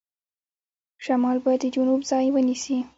شمال به د جنوب ځای ونیسي.